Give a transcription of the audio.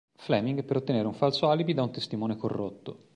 Fleming per ottenere un falso alibi da un testimone corrotto.